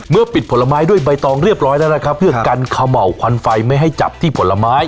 ปิดผลไม้ด้วยใบตองเรียบร้อยแล้วนะครับเพื่อกันเขม่าวควันไฟไม่ให้จับที่ผลไม้